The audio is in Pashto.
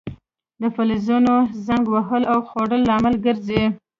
د فلزونو زنګ وهل د خوړلو لامل ګرځي.